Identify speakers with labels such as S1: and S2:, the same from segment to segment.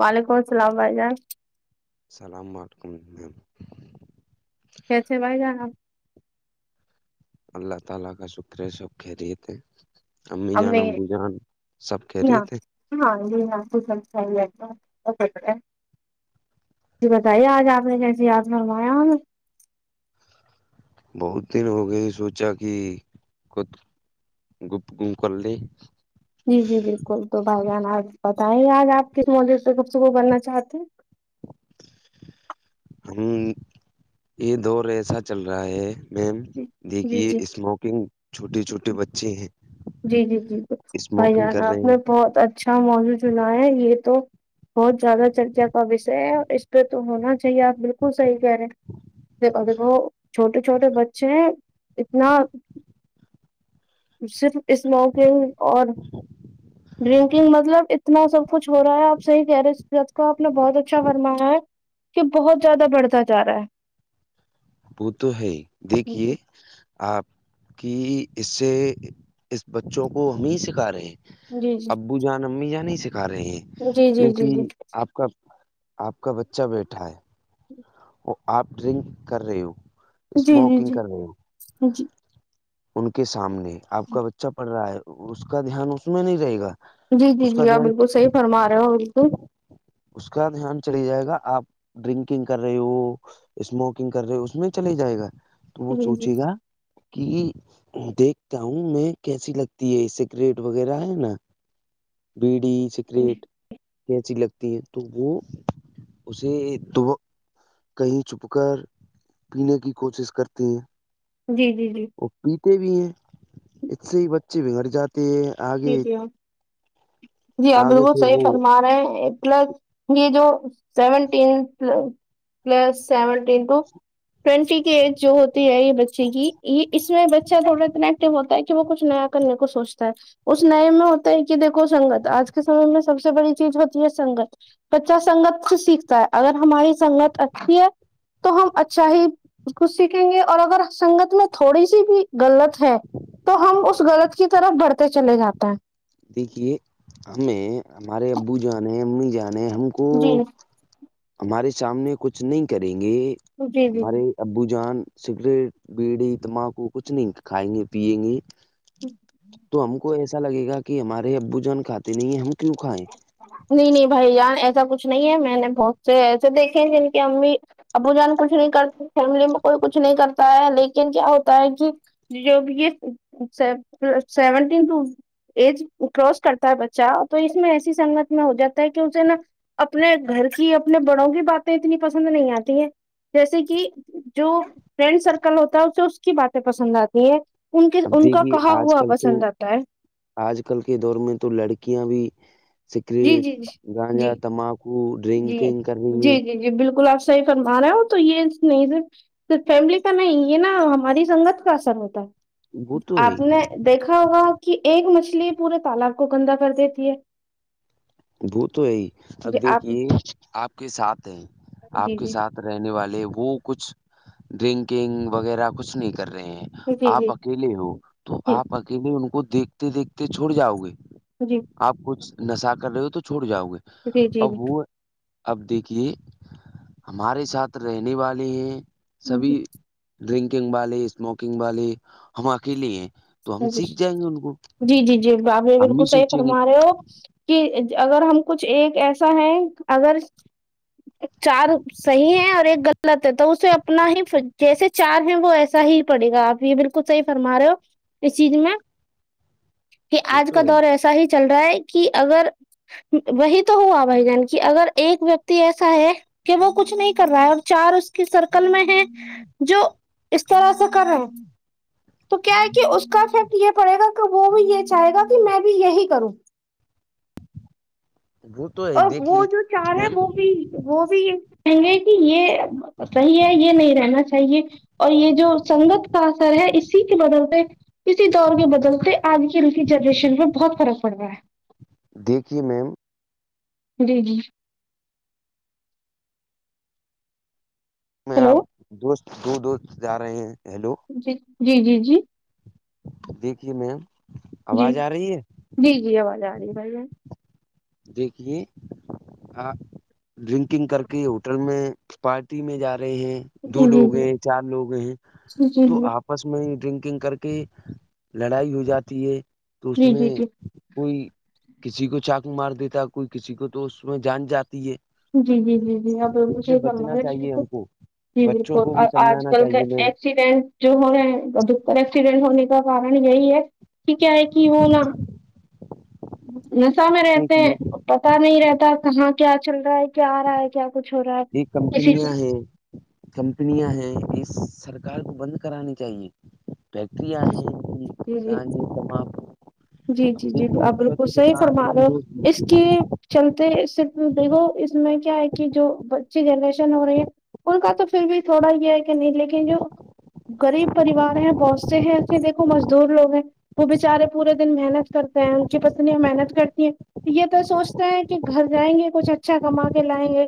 S1: وعلیکم السلام بھای جان
S2: السلام وٹکم میم
S1: کیسے بھائی جان اپ
S2: اللہ تعالی کا شکر ہے سب خریت ہے امی جان امبو جان سب خریت ہے
S1: ہاں ہاں جی ہاجی سب خیریت سے ہیں جی بتائیے آج آپ نے کیسی یاد فرمایا ہم
S2: بہت دن ہو گئے سوچا کہ خود گفتگو کر لے
S1: جی جی بالکل تو بھائی جان آپ بتائیں آج آپ کس موجے سے گفتگو کرنا چاہتے ہیں [inaudible]
S2: ہ یہ دور ایسا چل رہا ہے میم
S1: جی
S2: دیکھیے
S1: جی
S2: اسموکنگ چھوٹے چھوٹے بچے ہیں
S1: جی جی جی بھائی
S2: اسموکنگ
S1: جان
S2: کر رہے
S1: آپ
S2: ہیں
S1: نے بہت اچھا موجوع چنا ہے یہ تو بہت زیادہ چرچا کا وشے ہے اس پہ تو ہونا چاہیے آپ بالکل صحیح کہہ رہے ہیں دیکھو چھوٹے چھوٹے بچے اتنا صرف اس موقعے اور ڈرنکنگ مطلب اتنا سب کچھ ہو رہا ہے آپ صحی کہہ رہے کو آپ نے بہت اچھا فرمایا ہے کہ بہت زیادہ بڑھتا جا رہا ہے
S2: وہ تو ہے
S1: ہے جی
S2: دیکھیے آپ کی اس سے اس بچوں کو ہمیں سکھا رہے ہیں
S1: جی جی
S2: ابو جان امی جان نہیں سکھا رہے ہیں
S1: جی جی
S2: کیونک
S1: جی جی
S2: آپ کا آپ کا بچہ بیٹھا ہے
S1: [inaudible]
S2: وہ آپ ڈرنک کر رہے ہو
S1: جی جی
S2: اسموکنگ کر رہے ہو
S1: جی جی
S2: ان کے سامنے آپ کا بچہ پڑھ رہا ہے اس کا دھیان اس میں نہیں رہے گا
S1: جی جی
S2: اس کا
S1: جی آپ
S2: دھیان
S1: بالکل صحیح فرما رہے ہو بالکل
S2: اس کا دھیان چلی جائے گا آپ ڈرنکنگ کر رہے ہو اسموکنگ کر رہے ہو اس میں چلا ہی جائے گا تو وہ
S1: جی
S2: سوچ
S1: جی
S2: گا کی دیکھتا ہوں میں کیسی لگتی ہے سگریٹ وغیرہ ہے نا بیڑی سکریٹ کیچی لگتی ہیں تو وہ اسے کہیں چھپ کر پینے کی کوشش کرتی ہیں
S1: جی جی جی
S2: وہ پیتے بھی ہیں اس سے ہی بچے بگڑ جاتے ہیں
S1: جی
S2: آگے
S1: جی ہ جی
S2: آگے
S1: ابالک
S2: پھر
S1: صحیح
S2: وہ
S1: فرما رہے ہیں پلس یہ جو seventeen plus seventeen to twenty کی ایج جو ہوتی ہے یہ بچے کی یہ اس میں بچہ تھوڑا اتنا ایکٹو ہوتا ہے کہ وہ کچھ نیا کرنے کو سوچتا ہے اس نئے میں ہوتا ہے کہ دیکھو سنگت آج کے سمے میں سب سے بڑی چیز ہوتی ہے سنگت بچہ سنگت سے سیکھتا ہے اگر ہماری سنگت اچھی ہے تو ہم اچھا ہی کچھ سیکھیں گے اور اگر سنگت میں تھوڑی سی بھی غلط ہے تو ہم اس غلط کی طرف بڑھتے چلے جاتے ہیں
S2: دیکھیے ہمیں ہمارے ابو جانے امی جانے ہم کو
S1: جی
S2: ہمارے سامنے کچھ نہیں کریں گے
S1: جی
S2: ہمارے
S1: جی
S2: ابو جان سگریٹ بیڑی تمباکو کچھ نہیں کھائیں گے پیئیں گے
S1: [inaudible]
S2: تو ہم کو ایسا لگے گا کہ ہمارے ابو جوان کاتے نہیں ہیں ہم کیوں کھائیں
S1: نہیں نہیں بھائی ان ایسا کچھ نہیں ہے میں نے بہت سے ایسے دیکھے ہیں جن کی امی ابو جان کچھ نہیں کرتے فیملی میں کوئی کچھ نہیں کرتا ہے لیکن کیا ہوتا ہے کہ جو بھی یہ سیونٹین ٹو ایج کراس کرتا ہے بچہ تو اس میں ایسی سنگت میں ہو جاتا ہے کہ اسے نا اپنے گھر کی اپنے بڑوں کی باتیں اتنی پسند نہیں آتی ہیں جیسے کہ جو فرینڈ سرکل ہوتا ہے اسے اس کی باتیں پسند آتی ہے ان کے
S2: اب
S1: ان کا
S2: دیکھیے
S1: کہاں
S2: آج
S1: ہوا
S2: کل تو
S1: پسند آتا ہے
S2: آج کل کے دور میں تو لڑکیاں بھی
S1: جی
S2: سگریٹ
S1: جی جی
S2: گانجا
S1: جی
S2: تماک کو
S1: جی
S2: ڈرنکنگ کرنی ہے
S1: جی جی جی بالکل آپ صحیح فرما رہے ہو تو یہ نہیں صرف تو فیملی کا نہیں یہ نا ہماری سنگت کا اثر ہوتا ہے
S2: وہ تو ہے
S1: آپ نے دیکھا ہوگا کہ ایک مچھلی پورے تالاب کو گندا کر دیتی ہے
S2: وہ تو ہےی اب
S1: جی آپ
S2: دیکھیے آپ کے ساتھ ہے آپ
S1: جی
S2: کے
S1: جی
S2: ساتھ رہنے والے وہ کچھ ڈرنکنگ وغیرہ کچھ نہیں کر رہے ہیں
S1: جی جی
S2: آپ اکیلے ہو تو
S1: جی
S2: آپ اکیلے ان کو دیکھتے دیکھتے چھوڑ جاؤ گے
S1: جی
S2: آپ کچھ نشہ کر رہے ہو تو چھوڑ جاؤ گے
S1: جی جی
S2: اب وہ اب دیکھیے ہمارے ساتھ رہنے والے ہیں سبھی ڈرنکنگ والے اسموکنگ والے ہم اکیلیے ہیں تو ہم
S1: جی
S2: سیکھ جائیں گے ان کو
S1: جی جی جی بابھی
S2: ہم بھی
S1: بالکل صحیح
S2: سوچیں گے
S1: فرما رہے ہو کہ اگر ہم کچھ ایک ایسا ہے اگر چار صحیح ہے اور ایک غلط ہے تو اسے اپنا ہی جیسے چار ہیں وہ ایسا ہی پڑے گا آپ یہ بالکل ک صحی فرما رہے ہو اس چیز میں کہ
S2: وہ
S1: آج
S2: تو
S1: کا
S2: ہے
S1: دور ایسا ہی چل رہا ہے کہ اگر وہی تو ہوا بھائی جان کی اگر ایک ویکتی ایسا ہے کہ وہ کچھ نہیں کر رہا ہے اور چار اس کی سرکل میں ہے جو اس طرح سے کریں تو کیا ہے کہ اس کا افیکٹ یہ پڑے گا کہ وہ بھی یہ چاہے گا کہ میں بھی یہی کروں
S2: وہ تو ہے ہی۔
S1: ا وہ
S2: دیکھیے
S1: جو چار ہے
S2: میم
S1: وہ بھی وہ بھی یہ کہیں گے کہ یہ صحیح ہے یہ نہیں رہنا چاہیے اور یہ جو سنگت کا اثر ہے اسی کے بدل پہ اسی دور کے بدلتے آج ک کی جنریشن میں بہت فرق پڑ رہا ہے
S2: دیکھیے میم
S1: جی جی
S2: میں
S1: ہیلو
S2: آپ دوست دو دوست جا رہے ہیں ہیلو
S1: جی جی جی جی
S2: دیکھیے میم
S1: جی
S2: آواز آ رہی ہے
S1: جی جی آواز آ رہی ہے بھائی
S2: دیکھیے ہاں ڈرنکنگ کر کے ہوٹل میں پارٹی میں جا رہے ہیں دو
S1: جی جی
S2: لوگ ہیں
S1: جی
S2: چار لوگ ہیں
S1: جی جی
S2: تو آپ آپس میں ڈرنکنگ کر کے لڑائی ہو جاتی ہے تو اس میں
S1: جی جی
S2: کوئی کسی کو چا مار دیتا ہے کوئی کسی کو تو اس میں جان جاتی ہے
S1: جی جی جی جی آپھ
S2: اس سے
S1: یہ
S2: بچنا
S1: کرنا
S2: چاہیے ہم کو
S1: جی
S2: بچوں
S1: بالکل
S2: کو
S1: اور
S2: بھی
S1: آج
S2: سمجھانا
S1: کل کا
S2: چاہیے
S1: ایک
S2: میم
S1: ایکسیڈنٹ جو ہو رہے ہیں در ایکسیڈنٹ ہونے کا کارن یہی ہے کہ کیا ہے کہ وہ نا نشہ میں رہتے ہیں
S2: دیکھیے
S1: پتا نہیں رہتا کہاں کیا چل رہا ہے کیا آ رہا ہے کیا کچھ ہو رہا ہے
S2: یہ
S1: کسی
S2: کمپنیاں ہیں کمپنیاں ہیں یہ سرکار کو بند کرانی چاہیے فیکٹری
S1: چیز
S2: ہے
S1: جی جی
S2: گ تمام
S1: جی جی جی
S2: دیکھیے
S1: آپ
S2: اس میں
S1: بالکل
S2: تو
S1: صحیح
S2: لکھا آتا
S1: فرما
S2: ہے
S1: رہا ہو
S2: نو
S1: اس
S2: اسموکنگ
S1: کے چلتے صرف دیکھو اس میں کیا ہے کہ جو بچی جنریشن ہو رہی ہے ان کا تو پھر بھی تھوڑا یہ ہے کہ نہیں لیکن جو غریب پریوار ہیں بہت سے ہیں ایسے دیکھو مزدور لوگ ہیں وہ بچارے پورے ن محنت کرتا ہیں ان کی پتنی محنت کرتی ہیں یہ تو سوچتے ہیں کہ گھر جائیں گے کچھ اچھا کما کے لائیں گے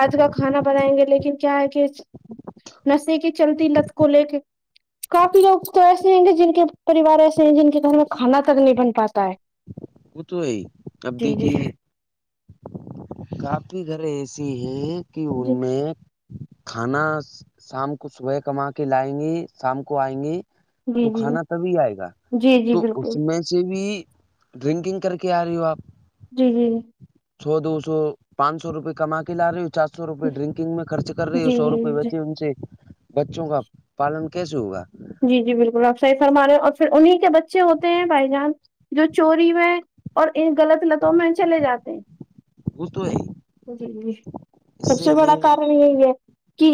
S1: آج کا کھانا بنائیں گے لیکن کیا ہے کہ نشے کی چلتی لت کو لے کے کافی لوگ تو ایسے ہیں گے جن کے پریوار ایسے ہیں جن کے گھر میں کھانا اگنی پن پاتتاا ہے
S2: وہ تو ہے اب
S1: جی جی
S2: دیکھیے کافی گھر ایسی ہیں کہ ان
S1: جی
S2: میں کھانا شام کو صبح کما کے لائیں گی شام کو آئیں گی
S1: جی
S2: تو
S1: جی
S2: کھانا تبھی آئے گا
S1: جی جی
S2: تو اس
S1: بالکل
S2: میں سے بھی ڈرنکنگ کر کے آ رہی ہو آپ
S1: جی جی جی
S2: سو دو سو پانچ سو روپئے کما کے لا رہی ہ چار سو سو روپئے
S1: جی
S2: ڈرنکنگ میں خرچ کر رہی ہے
S1: جی
S2: سو روپئے
S1: جی
S2: بچے ان سے بچوں کا پالن کیسے ہوگا
S1: جی جی بالکل آپ صحیح فرما رہے ہیں اور پھر انیں کے بچے ہوتے ہیں بائی جان جو چوری میں اور ان غلط لتوں میں چلے جاتے
S2: وہ تو ہے
S1: ہیں جی جی
S2: اس
S1: سب سے بڑا
S2: ہمیں
S1: کار ہے کہ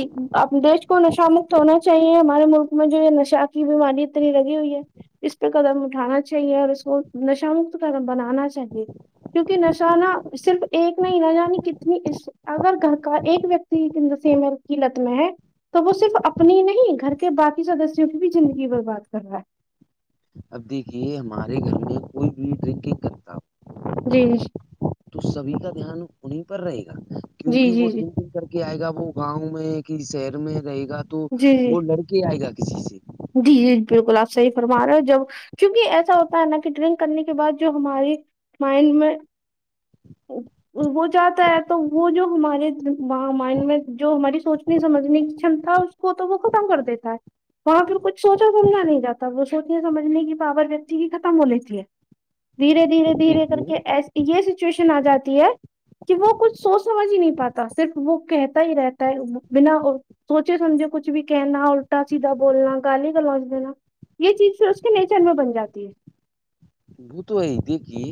S1: دیش کو نشامکت ہونا چاہیے ہمارے ملک میں نشا کی بیماری اتنی لگی ہوئی ہے اس پہ قدم اٹھانا چاہیے اور اس کو نشہ مکت قم بنانا چاہیے کیونکہ نشانہ صرف ایک نہیں نہ جانی کتنی اس اگر گھر کا ایک ویکتی سم کی لت میں ہے تو وہ صرف اپنی نہیں گھر کے باقی سدسوں کی بھی زندگی برباد کر رہا ہے
S2: اب دیکھیے ہمارے گھر میں کوئی بھی ڈرنکنگ کرتا ہو
S1: جی جی [unintelligible]
S2: تو سبھی کا دھیان انہیں پر رہے گا
S1: جی
S2: کیونکہ وہ
S1: جی جی
S2: ٹھیک نہیں کر ل آئے گا وہ گاؤں میں کہ شہر میں رہے گا تو
S1: جی جی
S2: وہ لڑکے آئے گا کسی سے
S1: جی جی بالکل آپ صحیح فرما رہے جب کیونکہ ایسا ہوتا ہے نا کہ ڈرنک کرنے کے بعد جو ہماری مائنڈ میں ا [inaudible] وہ چاہتا ہے تو وہ جو ہمارے مائنڈ میں جو ہماری سوچنے سمجھنے کی چمتا پت بخ تام کرد تھا ہے وہاں پھر کچھ سوچا سمجھا نہیں جاتا وہ سوچنے سمجھنے کی پاور ویکتی کی ختم ہو لیتی ہے دھیرے دھیرے دھیرے کر
S2: دیکھیے
S1: کے ای یہ سچویشن آ جاتی ہے کہ وہ کچھ سوچ سمجھ ہی نہیں پاتا صرف وہ کہتا ہی رہتا ہے بنا سوچے سمجھے کچھ بھی کہنا الٹا چ بولنا گالی گ لوچ دینا یہ چیز پ اس کے نیچر میں بن جاتی ہے
S2: بت یہ دیکی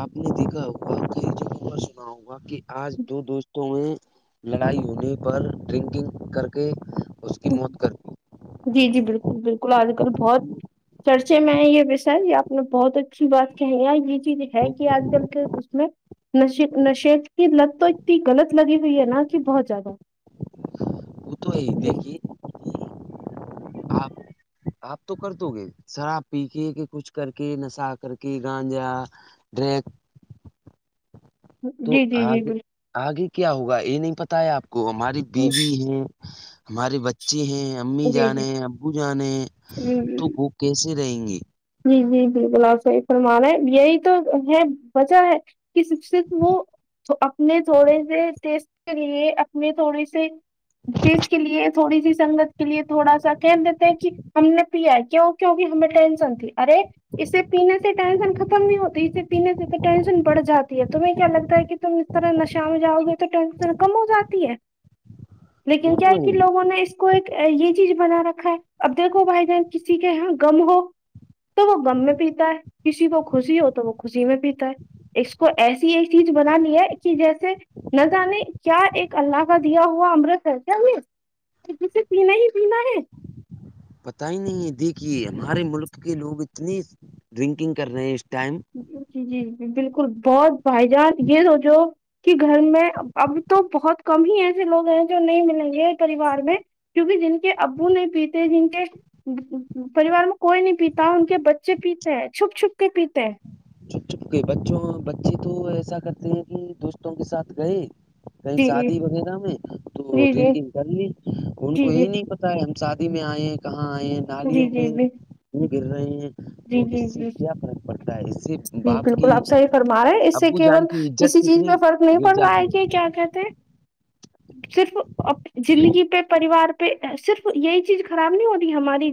S2: آپ نے دیکھا ہوا کہار سنا ہوگا کہ آج دو دوستوں میں لڑائی ہونے پر ڈرنکنگ کر کے اس کی موت کر
S1: جی جی بالکل بالکل آج کل بہت چرچے میں یہ وشا یہ آپ نے بہت اچھی بات کہی یہ چیز ہے
S2: دی
S1: کہ آج کل کے اس میں نشت کی لت تو اتنی غلط لگی ہوئی ہے نا کہ بہت زیادہ
S2: ا تو یہ
S1: جی
S2: دیکھی [unintelligible] آپ تو کر دو گے شراب پی کے کہ کچھ کر کے نشہ کر کے گانجا ٹیک [unintelligible] تو
S1: جی جی جی
S2: آگے آگے کیا ہوگا یہ نہیں پتا ہے آپ کو ہماری
S1: بالکل
S2: بیوی ہیں ہماریے بچی ہیں امی
S1: جی
S2: جانے
S1: جی
S2: ہیں ابو جانے ہیں
S1: ہ
S2: تو کیسے رہیں گی
S1: جی جی بالکل آپ صحی فرمان رہے ہیں یہی تو ہے وجہ ہے ش وہ اپنے تھوڑے سے ٹیسٹ کے لیے اپنے تھوڑے سے جس کے لیے تھوڑی سی سنگت کے لیے تھوڑا سا کہن دیتے ہیں کہ ہم نے پیا ہے کیوں کیوںکہ ہمیں ٹین س ت ارے اسے پینے سے ٹینشن ختم نہیں ہوتی اسے پینے سے تو ٹینشن بڑھ جاتی ہے تمہیں کیا لگتا ہے کہ ت طرح نشا میں جاؤ گے تو ٹینشن کم ہو جاتی ہے
S2: وہ
S1: لیکن کیا
S2: تو
S1: ہے کہ لوگوں نے اس کو ایک یہ چیز بنا رکھا ہے اب دیکھو بھائی جان کسی کے یہاں م ہو تو وہ گم میں پیتا ہے کسی کو خوشی ہو تو وہ خوشی میں پیتا ہے اس کو ایسی یہ چیز بنانی ہے کہ جیسے نہ جے کیا ایک اللہ کا دیا ہوا امرت ہےس ا کے پینا ہی پینا ہے
S2: پت ہی نہیں ہے دیکھیے ہمارے ملک کے لوگ اتنی ڈرنکنگ کر رہے ہیں اس ٹائم
S1: جی جی جی بالکل بہت بھائی جان یہ سوچو کہ گھر میں اب تو بہت کم ہی ایسے لوگ ہیں جو نہیں ملیں گے پریوار میں کیونکہ جن کے ابو نہیں پیتے جن کے پریوار میں کوئی نہیں پیتا ان کے بچے پیتے ہیں چھپ چھپ کے پیتے ہیں
S2: چ بچوں بچے تو ایسا کرتے ہیں کہ دوستوں کے ساتھ گئے کہیں
S1: جی جی
S2: شادی وغیرہ میں تو
S1: جی جی
S2: ڈرنکنگ کر لی ان کو
S1: جی جی
S2: یہ نہیں پ ہم شادی میں آئے کہاں آئے ہیں
S1: جی
S2: نالیوں
S1: جی
S2: میں
S1: جی
S2: کیوں گر رہے ہیں
S1: جی
S2: تو
S1: جی
S2: اس سے
S1: جی
S2: کیا فرق پڑتا ہے اس سے
S1: جی
S2: باپ کی
S1: بالکل آپ صحیح فرما رہے ہیں اس سے
S2: ابو جان
S1: کیول
S2: کی عزت
S1: کسی چیز
S2: کتنی
S1: میں فرق نہیں
S2: گر
S1: پڑ پاائے
S2: جاتی ہے
S1: کہ کیا کہتے صرف زندگی پہ پریوار پہ صرف یہی چیز خراب نہیں ہوتی ہماری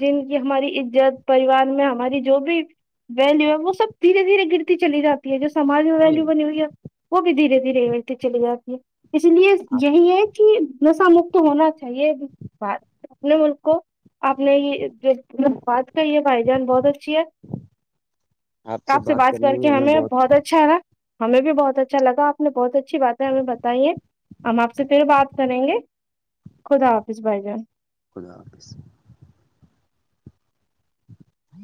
S1: جن کی ہماری عزت پریوار میں ہماری جو بھی ویلو ہے وہ سب دھیرے دھیرے گرتی چلی جاتی ہے جو سمج میں
S2: تو
S1: ویلو بنی ہوئی ہے وہ بھی دھیرے دھیرے ہوتی چلی جاتی ہے اس لیے
S2: آپ
S1: یہی ہے کہ نشا مکت ہونا چاہیے بات اپنے ملک کو آپ نے یہلب بات کری ہے بھائی جان بہت اچھی ہے آپ سے بات کر کے ہمیں بہت اچھا ہے نا ہمیں بھی بہت اچھا لگاپ نے بہت اچھا اچھی بات ہے ہمیں بتائیے ہم آپ سے پھر بات کریں گے خدا حافظ بھائی جان
S2: خدا حافظ ہ